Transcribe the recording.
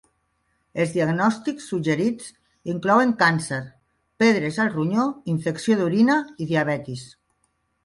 Els diagnòstics suggerits inclouen càncer, pedres al ronyó, infecció d'orina i diabetis.